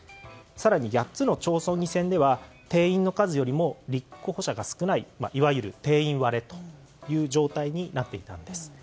更に８つの町村議選では定員の数より立候補者が少ないいわゆる定員割れという状態になっていたんです。